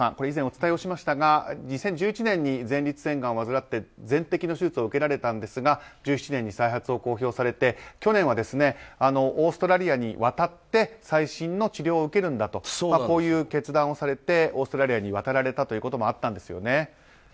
以前、お伝えをしましたが２０１１年に前立腺がんを患って全摘の手術を受けられたんですが１７年に再発を公表されて去年はオーストラリアに渡って最新の治療を受けるんだという決断をされてオーストラリアに渡られたということもあったんですよね。